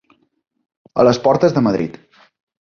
A les portes de Madrid.